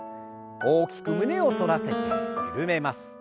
大きく胸を反らせて緩めます。